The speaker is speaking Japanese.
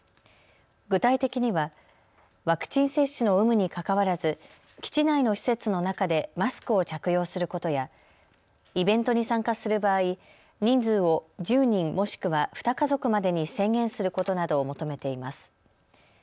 具体的にはワクチン接種の有無にかかわらず基地内の施設の中でマスクを着用することやイベントに参加する場合、人数を１０人、もしくは２家族までに制限することなどを求めています。